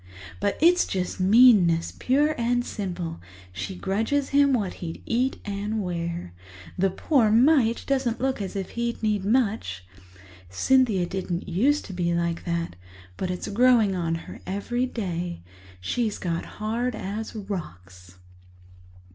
But it's just meanness, pure and simple; she grudges him what he'd eat and wear. The poor mite doesn't look as if he'd need much. Cynthia didn't used to be like that, but it's growing on her every day. She's got hard as rocks."